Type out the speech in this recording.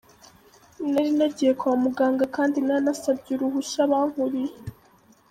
Nari nagiye kwa muganga kandi nari nasabye uruhushya abankuriye.